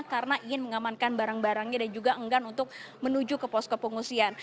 karena ingin mengamankan barang barangnya dan juga enggan untuk menuju ke posko pengungsian